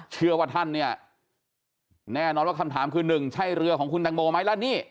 เชื่อว่าท่านเนี่ยแน่นอนว่าคำถามคือหนึ่งใช่เรือของคุณตังโมไหมแล้วนี่